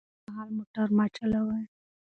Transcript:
د خوب پر مهال موټر مه چلوئ.